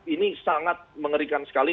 ini sangat mengerikan sekali